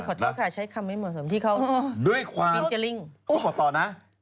ขอโทษค่ะใช้คำไม่เหมาะสม